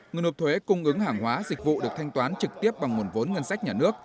người nộp thuế cung ứng hàng hóa dịch vụ được thanh toán trực tiếp bằng nguồn vốn ngân sách nhà nước